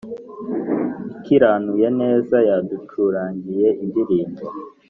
ikiranuye neza. yaducurangiye indirimbo